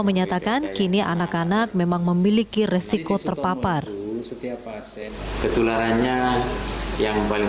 menyatakan kini anak anak memang memiliki resiko terpapar setiap pasien ketularannya yang paling